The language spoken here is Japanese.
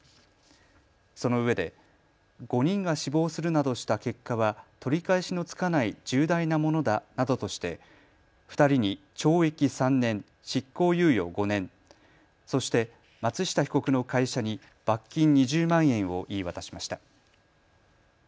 そのうえで、５人が死亡するなどした結果は取り返しのつかない重大なものだなどとして２人に懲役３年、執行猶予５年、そして松下被告の会社に罰金２０万円を言い渡しました。